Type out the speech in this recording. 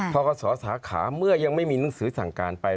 กศสาขาเมื่อยังไม่มีหนังสือสั่งการไป